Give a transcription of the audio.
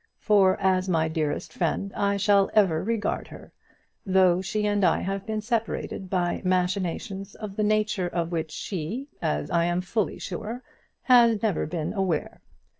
For as my dearest friend I shall ever regard her, though she and I have been separated by machinations of the nature of which she, as I am fully sure, has never been aware.